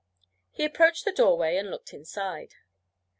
He approached the doorway and looked inside.